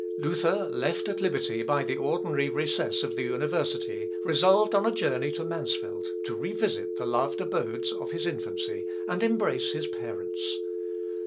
Luther, left at liberty by the ordinary recess of the university, resolved on a journey to Mansfeld, to revisit the loved abodes of his infancy, and embrace his parents.